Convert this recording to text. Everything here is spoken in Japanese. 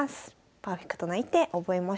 パーフェクトな一手覚えましょう。